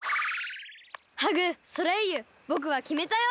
ハグソレイユぼくはきめたよ！